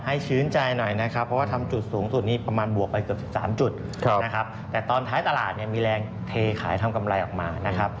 หรือเป็นพี่จะขายทำกำไรออกมา